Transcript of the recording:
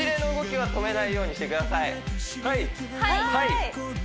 はい？